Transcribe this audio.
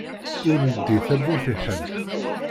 Ur leddi tawwurt i ḥedd!